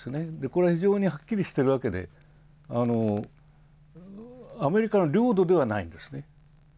これは非常にはっきりしているわけで、アメリカの領土ではないんです。